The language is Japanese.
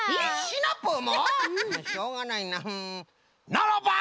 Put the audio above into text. ならば！